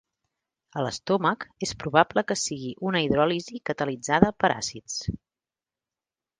A l'estómac, és probable que sigui una hidròlisi catalitzada per àcids.